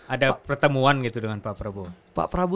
ada pertemuan gitu dengan pak prabowo